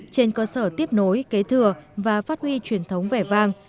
trên cơ sở tiếp nối kế thừa và phát huy truyền thống vẻ vang